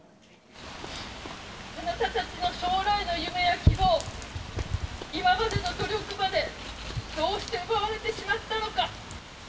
あなたたちの将来の夢や希望、今までの努力までどうして奪われてしまったのか。